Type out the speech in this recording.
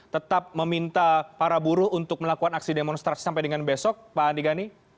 tetap meminta para buruh untuk melakukan aksi demonstrasi sampai dengan besok pak andi gani